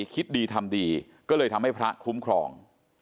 ก็ก็เลยทำให้พระคุ้มครอง